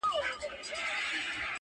څه ويلاى نه سم”